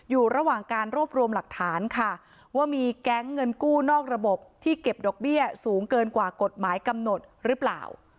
อยู่ระหว่างการรวบรวมหลักฐานค่ะว่ามีแก๊งเงินกู้นอกระบบที่เก็บดอกเบี้ยสูงเกินกว่ากฎหมายกำหนดหรือเปล่า